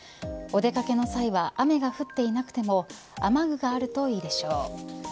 お出掛けの際は雨が降っていなくても雨具があるといいでしょう。